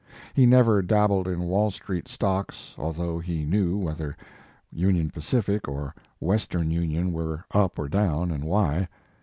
He never dabbled in Wall street stocks, although he knew whether Union Pacific or Western Union, were up or down and why.